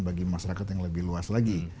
bagi masyarakat yang lebih luas lagi